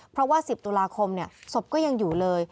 เพราะว่า๑๐ตุลาคมศพก็ยังอยู่เลย